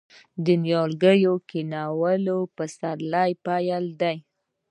د نیالګیو کینول د پسرلي پیل دی.